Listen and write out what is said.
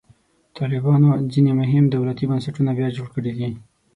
طالبانو ځینې مهم دولتي بنسټونه بیا جوړ کړي دي.